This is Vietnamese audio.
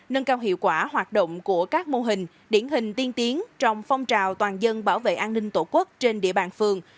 nâng cao hiệu quả hoạt động của các mô hình điển hình tiên tiến trong phong trào toàn dân bảo vệ an ninh tổ quốc trên địa bàn phường